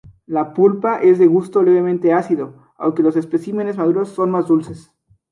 La pulpa es de gusto levemente ácido, aunque los especímenes maduros son más dulces.